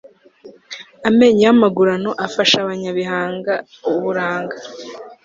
amenyo y'amagurano afasha abanyabihanga uburanga